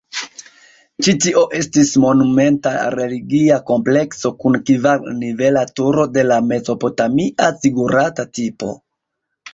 Ĉi tio estis monumenta religia komplekso kun kvar-nivela turo de la mezopotamia zigurata tipo.